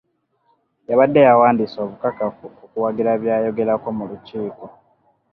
Yabadde yawandiise obukakafu okuwagira by'ayogerako mu lukiiko.